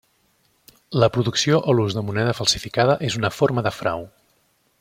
La producció o l'ús de moneda falsificada és una forma de frau.